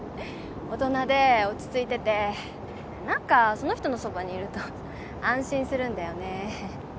大人で落ち着いてて何かその人のそばにいると安心するんだよね。